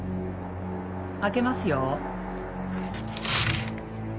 開けますよ。